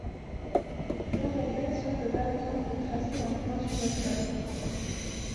Jean d'Orbais semble par exemple tracer un plan sur le sol.